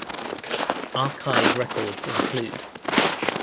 Archive records include